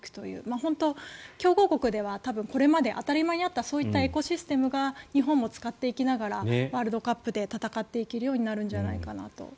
本当、強豪国ではこれまで当たり前にあったそういったエコシステムが日本も使っていきながらワールドカップで戦っていけるようになるんじゃないかなと。